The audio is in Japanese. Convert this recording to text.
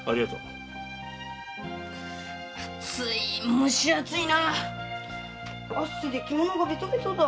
蒸し暑いな汗で着物がベトベトだ。